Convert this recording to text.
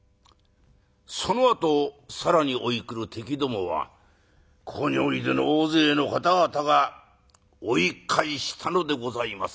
そのあと更に追い来る敵どもはここにおいでの大勢の方々が追い返したのでございます。